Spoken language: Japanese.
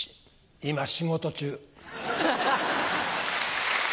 今仕事中。